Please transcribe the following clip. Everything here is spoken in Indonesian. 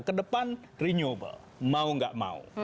ke depan renewable mau nggak mau